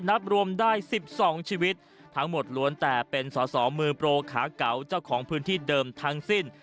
นับรวมได้๑๒ชีวิตทั้งหมดล้วนแต่เป็นสอสอมือโปรขาเก๋าเจ้าของพื้นที่เดิมทั้งสิ้น